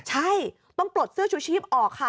ใช่ต้องปลดเสื้อชูชีพออกค่ะ